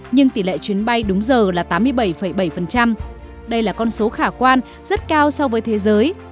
nhưng tỷ lệ chuyến bay đúng giờ là tám mươi bảy bảy đây là con số khả quan rất cao so với thế giới